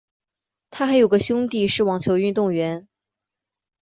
她还有个兄弟是网球运动员。